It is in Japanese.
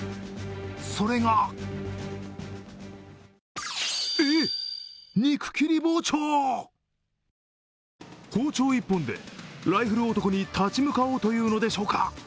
それが、えっ、肉切り包丁？包丁１本でライフル男に立ち向かおうというのでしょうか。